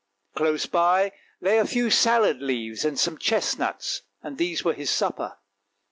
Close by lay a few salad leaves and some chestnuts, and these were his supper.